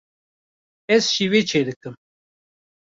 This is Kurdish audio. Ez şîvê çêdikim.